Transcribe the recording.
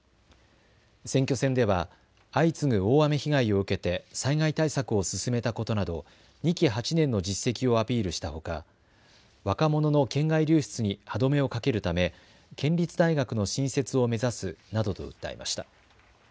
選挙戦では、相次ぐ大雨被害を受けて災害対策を進めたことなど２期８年の実績をアピールしたほか、若者の県外流出に歯止めをかけるため県立大学の新設を目指すなどと訴えました。